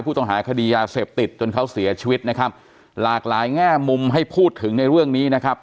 ผู้ต้องหาคดียาเสพติดจนเขาเสียชีวิตนะครับหลากหลายแง่มุมให้พูดถึงในเรื่องนี้นะครับ